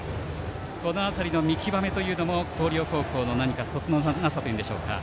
この辺りの見極めというのも広陵高校のそつのなさというんでしょうか。